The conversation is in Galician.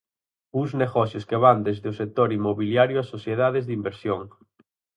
Uns negocios que van desde o sector inmobiliario a sociedades de inversión.